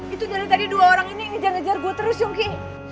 itu jangan tadi dua orang ini yang ngejar ngejar gue terus yuki